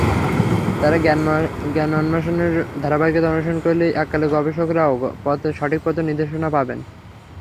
তাঁর জ্ঞানান্বেষণের ধারাবাহিকতা অনুসরণ করলে একালের গবেষকেরাও সঠিক পথের নির্দেশনা পাবেন।